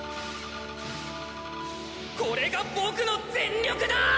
これが僕の全力だ！